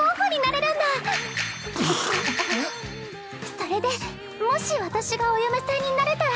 それでもし私がお嫁さんになれたら。